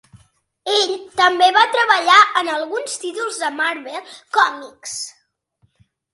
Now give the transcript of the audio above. Ell també va treballar en alguns títols de Marvel Comics.